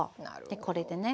でこれでね